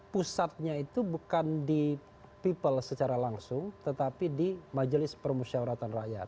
pusatnya itu bukan di people secara langsung tetapi di majelis permusyawaratan rakyat